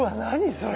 それ。